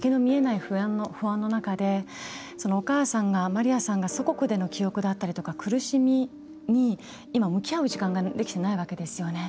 不安の中でお母さんのマリアさんが祖国での記憶だったり苦しみに、今向き合う時間ができてないわけですよね。